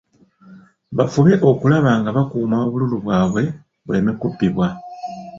Bafube okulaba nga bakuuma obululu bwabwe, buleme okubbibwa.